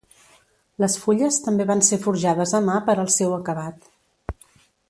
Les fulles també van ser forjades a mà per al seu acabat.